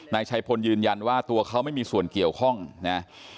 นายชัยพลยืนยันว่าตัวเขาไม่มีส่วนเกี่ยวข้องนะ